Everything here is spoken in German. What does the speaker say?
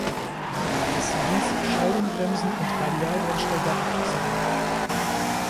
Es wies Scheibenbremsen und radial einstellbare Achsen auf.